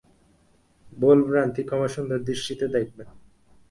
ভুলভ্রান্তি ক্ষমাসুন্দর দৃষ্টিতে দেখবেন।